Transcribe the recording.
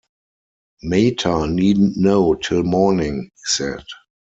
“Mater needn’t know till morning,” he said.